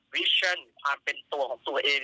วิชชั่นความเป็นตัวของตัวเอง